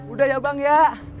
udah ya bang ya